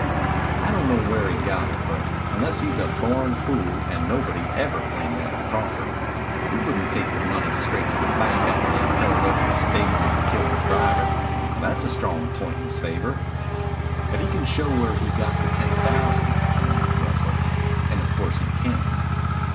"I don't know where he got it, but unless he's a born fool and nobody ever claimed that of Crawford he wouldn't take the money straight to the bank after he had held up the stage and killed the driver. That's a strong point in his favor." "If he can show where he got the ten thousand," amended Russell. "And of course he can."